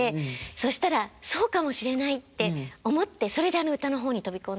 そしたらそうかもしれないって思ってそれで歌の方に飛び込んでいったんです。